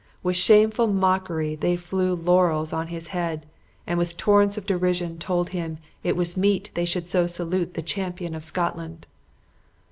With shameful mockery they flew laurels on his head, and with torrents of derision, told him, it was meet they should so salute the champion of Scotland!